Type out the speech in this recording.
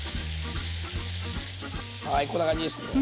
はいこんな感じですね。